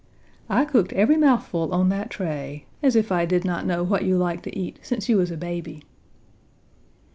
"I cooked every mouthful on that tray as if I did not know what you liked to eat since you was a baby."